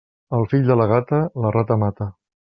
El fill de la gata, la rata mata.